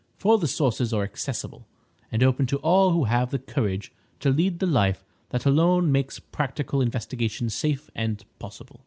For the sources are accessible, and open to all who have the courage to lead the life that alone makes practical investigation safe and possible."